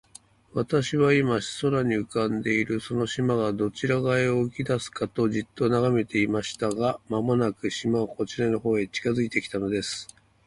私は、今、空に浮んでいるその島が、どちら側へ動きだすかと、じっと眺めていました。が、間もなく、島はこちらの方へ近づいて来たのです。